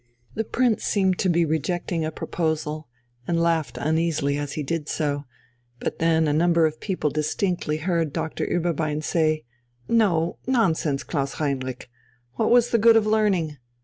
The Prince seemed to be rejecting a proposal, and laughed uneasily as he did so, but then a number of people distinctly heard Doctor Ueberbein say: "No nonsense, Klaus Heinrich, what was the good of learning?